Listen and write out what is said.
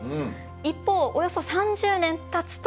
一方およそ３０年たつと。